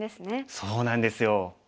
そうなんですよ。